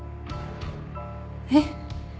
えっ？